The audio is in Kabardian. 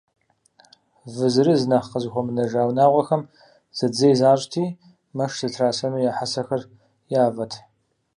Вы зырыз нэхъ къызыхуэмынэжа унагъуэхэм зэдзей защӏти, мэш зытрасэну я хьэсэхэр явэт.